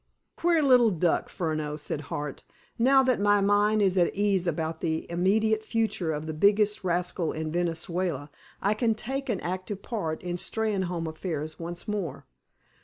"Queer little duck, Furneaux," said Hart. "Now that my mind is at ease about the immediate future of the biggest rascal in Venezuela I can take an active part in Steynholme affairs once more.